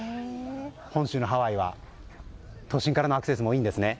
本州のハワイは都心からのアクセスもいいんですね。